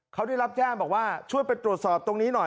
เขาได้รับแจ้งบอกว่าช่วยไปตรวจสอบตรงนี้หน่อย